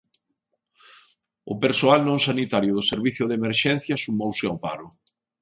O persoal non sanitario do servizo de emerxencias sumouse ao paro.